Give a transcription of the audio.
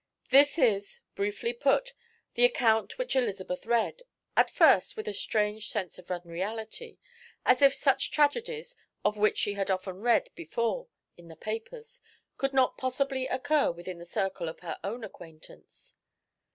This is, briefly put, the account which Elizabeth read, at first with a strange sense of unreality, as if such tragedies, of which she had often read before in the papers, could not possibly occur within the circle of her own acquaintance.